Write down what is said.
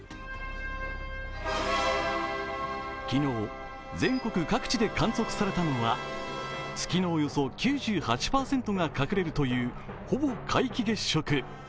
昨日、全国各地で観測されたのは月のおよそ９８％が隠れるというほぼ皆既月食。